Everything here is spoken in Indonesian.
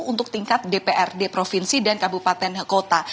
untuk tingkat dprd provinsi dan kabupaten kota